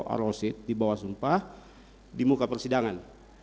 arosit di bawah sumpah di muka persidangan